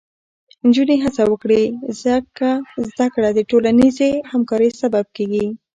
نجونې هڅه وکړي، ځکه زده کړه د ټولنیزې همکارۍ سبب کېږي.